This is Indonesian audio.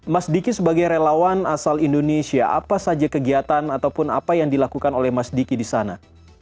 mas diki sebagai relawan asal indonesia apa saja kegiatan ataupun apa yang dilakukan oleh mas diki di sana